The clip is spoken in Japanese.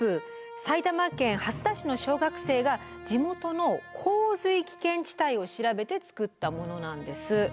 埼玉県蓮田市の小学生が地元の洪水危険地帯を調べて作ったものなんです。